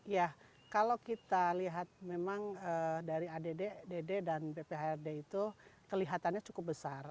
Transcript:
ya kalau kita lihat memang dari add dan pphrd itu kelihatannya cukup besar